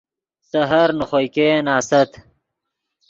سحر نے خوئے ګئین آست